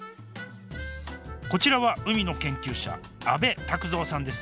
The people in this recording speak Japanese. こちらは海の研究者阿部拓三さんです。